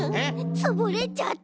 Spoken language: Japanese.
つぶれちゃった。